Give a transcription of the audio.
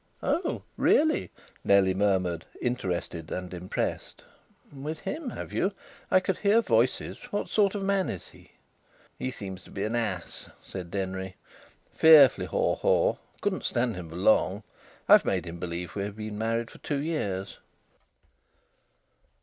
"Oh! Really," Nellie murmured, interested and impressed. "With him, have you? I could hear voices. What sort of a man is he?" "He seems to be an ass," said Denry. "Fearfully haw haw. Couldn't stand him for long. I've made him believe we've been married for two years."